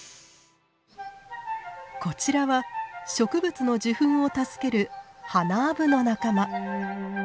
こちらは植物の受粉を助けるハナアブの仲間。